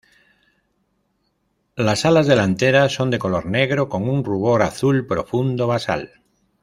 Las alas delanteras son de color negro con un rubor azul profundo basal.